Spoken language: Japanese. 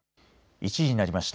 １時になりました。